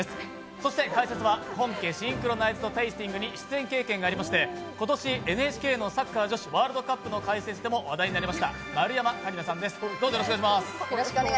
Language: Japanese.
そして解説は本家・シンクロナイズドテイスティングに出演経験がありまして今年ＮＨＫのサッカー女子ワールドカップの解説でも話題になりました丸山桂里奈さんです。